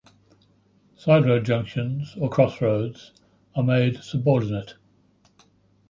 Side road junctions, or crossroads, are made 'subordinate'.